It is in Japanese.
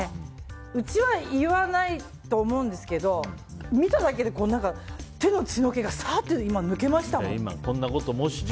うちは言わないと思うんですけど見ただけで手の血がさーっと引けました。